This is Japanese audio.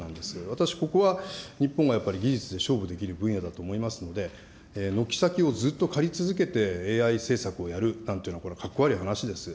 私ここは日本がやっぱり技術で勝負できる分野だと思いますので、軒先をずっと借り続けてＡＩ政策をやるなんていうのはこれはかっこ悪い話ですよ。